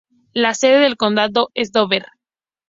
La sede del condado es Dover.